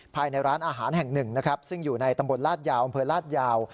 ภายในร้านอาหารแห่งหนึ่งนะครับซึ่งอยู่ในตำบลลาดยาวอำเภอลาดยาว